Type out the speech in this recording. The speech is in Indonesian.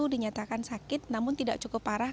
dinyatakan sakit namun tidak cukup parah